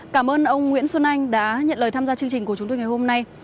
cảm ơn ông nguyễn xuân anh đã nhận lời tham gia chương trình của chúng tôi ngày hôm nay